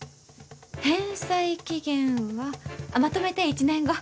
返済期限はまとめて１年後。